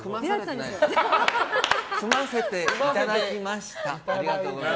組ませていただきました。